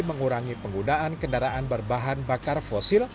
mengurangi penggunaan kendaraan berbahan bakar fosil